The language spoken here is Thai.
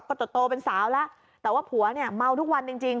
โตเป็นสาวแล้วแต่ว่าผัวเนี่ยเมาทุกวันจริงจริง